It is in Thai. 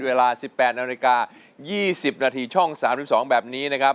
เวลา๑๘นาฬิกา๒๐นาทีช่อง๓๒แบบนี้นะครับ